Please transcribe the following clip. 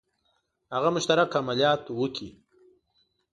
هغه مشترک عملیات وکړي.